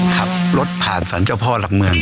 ขับรถผ่านสรรเจ้าพ่อหลักเมือง